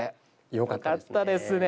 よかったですね。